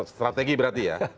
strategi berarti ya